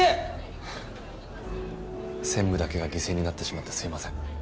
専務だけが犠牲になってしまってすいません。